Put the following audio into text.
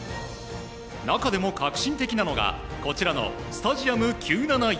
中でも革新的なのがこちらのスタジアム９７４。